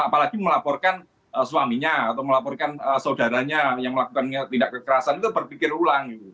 apalagi melaporkan suaminya atau melaporkan saudaranya yang melakukan tindak kekerasan itu berpikir ulang